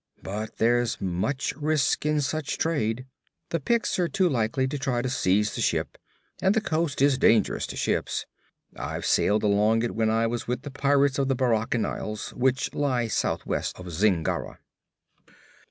But there's much risk in such trade. The Picts are too likely to try to seize the ship. And the coast is dangerous to ships. I've sailed along it when I was with the pirates of the Barachan Isles, which lie southwest of Zingara.'